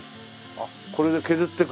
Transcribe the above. あっこれで削っていく？